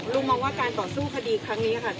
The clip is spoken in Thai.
มองว่าการต่อสู้คดีครั้งนี้ค่ะ